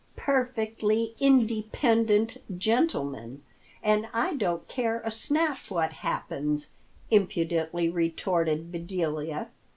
"Perfectly, independent gentleman! And I don't care a snap what happens," impudently retorted Bedelia.